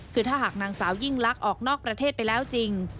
คือถ้าหากนางสาวยิ่งลักษณ์ออกนอกประเทศไปแล้วจริง